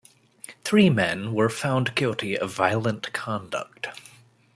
Three men were found guilty of violent conduct.